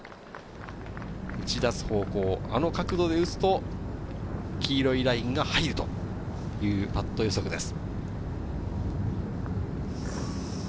打ち出す方向、あの角度で打つと黄色いラインが入るというパット予想です。